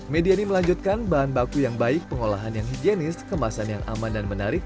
media ini melanjutkan bahan baku yang baik pengolahan yang higienis kemasan yang aman dan menarik